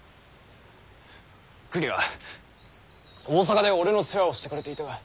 くには大阪で俺の世話をしてくれていた。